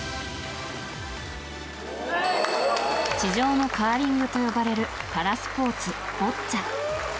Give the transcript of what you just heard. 地上のカーリングと呼ばれるパラスポーツ、ボッチャ。